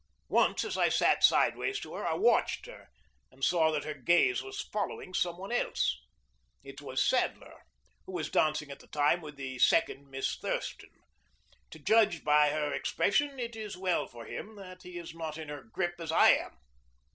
Once, as I sat sideways to her, I watched her, and saw that her gaze was following some one else. It was Sadler, who was dancing at the time with the second Miss Thurston. To judge by her expression, it is well for him that he is not in her grip as I am.